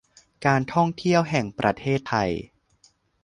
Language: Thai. การท่องเที่ยวแห่งประเทศไทย